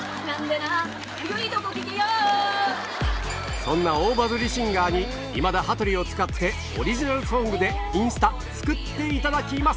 そんな大バズりシンガーに、今田、羽鳥を使ってオリジナルソングでインスタ救っていただきます。